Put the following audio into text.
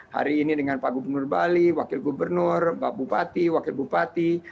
hari ini dengan pak gubernur bali wakil gubernur pak bupati wakil bupati